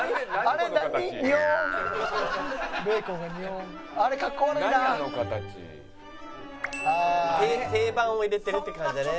あの形」「定番を入れてるって感じだね」